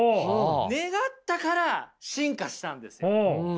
願ったから進化したんですよ。